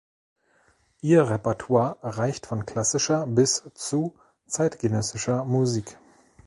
Ihr Repertoire reicht von klassischer bis zu zeitgenössischer Musik.